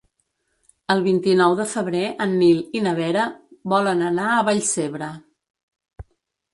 El vint-i-nou de febrer en Nil i na Vera volen anar a Vallcebre.